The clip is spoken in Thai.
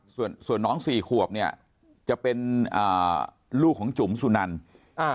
ส่วนน้อง๔ขวบเนี่ยจะเป็นลูกของจุ๋มสุนันทร์